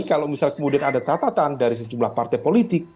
kalau misal kemudian ada catatan dari sejumlah partai politik